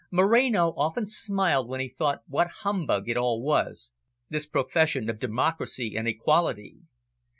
Moreno often smiled when he thought what humbug it all was, this profession of democracy and equality.